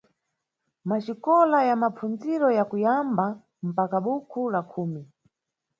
Maxikola ya mapfundziro ya kuyamba mpaka bukhu la khumi.